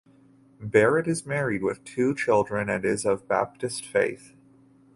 Barrett is married with two children and is of Baptist faith.